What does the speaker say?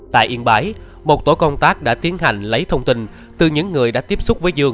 tại yên bái một tổ công tác đã tiến hành lấy thông tin từ những người đã tiếp xúc với dương